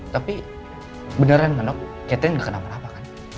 tapi beneran dok catherine gak kenapa napa kan